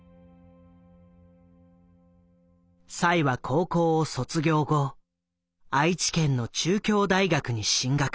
栽は高校を卒業後愛知県の中京大学に進学。